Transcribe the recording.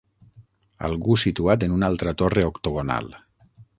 Algú situat en una altra torre octogonal